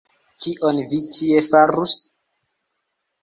Kion vi tie farus?